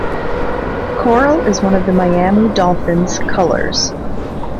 Coral is one of the Miami Dolphins' colors.